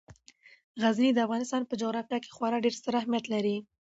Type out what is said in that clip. غزني د افغانستان په جغرافیه کې خورا ډیر ستر اهمیت لري.